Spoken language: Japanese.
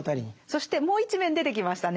そしてもう一面出てきましたね。